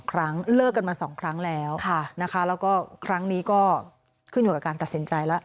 คือมันมึงเซ